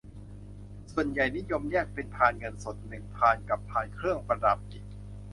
ส่วนใหญ่นิยมแยกเป็นพานเงินสด หนึ่ง พาน กับพานเครื่องประดับอีก